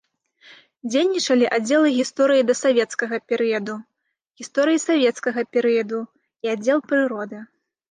Дзейнічалі аддзелы гісторыі дасавецкага перыяду, гісторыі савецкага перыяду і аддзел прыроды.